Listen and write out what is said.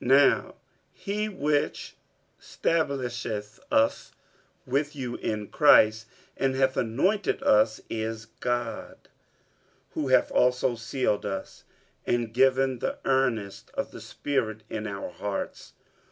47:001:021 Now he which stablisheth us with you in Christ, and hath anointed us, is God; 47:001:022 Who hath also sealed us, and given the earnest of the Spirit in our hearts.